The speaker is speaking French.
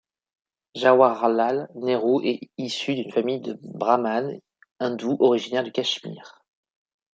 Jawaharlal Nehru est issu d'une famille de brahmanes hindous originaires du Cachemire.